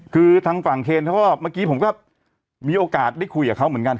คือทางฝั่งเคนเขาก็เมื่อกี้ผมก็มีโอกาสได้คุยกับเขาเหมือนกัน